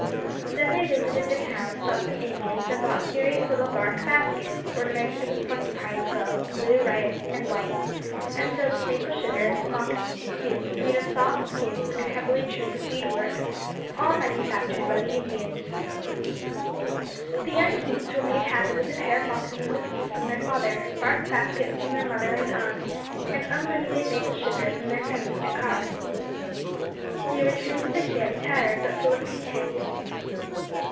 Then they visited the town, saw some Indians and bought curious little bark baskets ornamented with porcupine quills, blue, red and white, and filled with maple sugar; moccasins, too, made of soft skins and heavily trimmed with bead work, all manufactured by the Indians. The young Keiths were made happy with a pair of moccasins apiece from their father, bark baskets from their mother and aunt, and unlimited maple sugar from their friend Mr. Carr. They returned to the ship tired but full of content.